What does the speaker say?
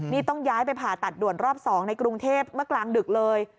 นี่ต้องย้ายไปผ่าตัดด่วนรอบ๒ในกรุงเทพเมื่อกลางดึกเลย